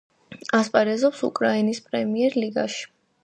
ასპარეზობს უკრაინის პრემიერ-ლიგაში.